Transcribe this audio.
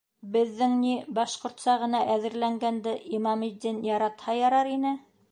Беҙҙең ни, башҡортса ғына әҙерләнгәнде Имаметдин яратһа ярар ине.